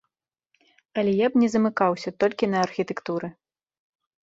Але я б не замыкаўся толькі на архітэктуры.